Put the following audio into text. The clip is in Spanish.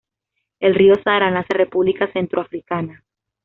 El río Sara nace en la República Centroafricana.